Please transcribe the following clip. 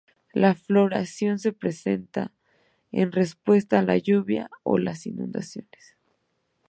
La floración se presenta en respuesta a la lluvia o las inundaciones.